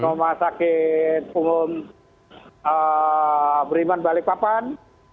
rumah sakit umum beriman balikpapan